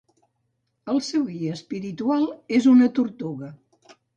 El seu guia espiritual és una tortuga.